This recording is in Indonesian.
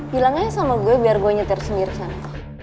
hilang aja sama gue biar gue nyetir sendiri sana